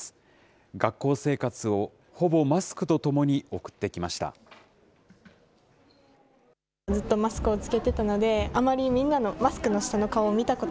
学校生活をほぼマスクとともに送ってきました。